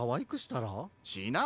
しない！